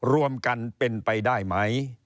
รวมกันเป็นไปได้ไหม